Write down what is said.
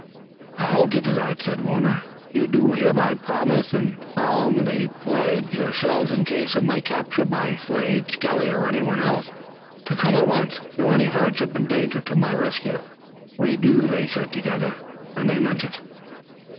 "I hold you to that," said Warner. "You do hereby promise and solemnly pledge yourselves in case of my capture by Slade, Skelly or anybody else, to come at once through any hardship and danger to my rescue." "We do," they said together, and they meant it.